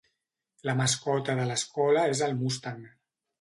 La mascota de l'escola és el Mustang.